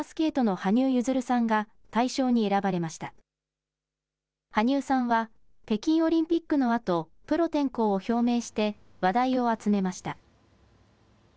羽生さんは北京オリンピックのあとプロ転向を表明して話題を集めました。